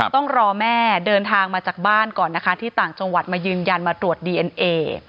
ต้องรอแม่เดินทางมาจากบ้านก่อนนะคะที่ต่างจังหวัดมายืนยันมาตรวจดีเอ็นเอ